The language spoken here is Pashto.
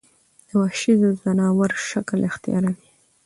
د وحشي ځناور شکل اختيار وي